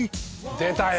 出たよ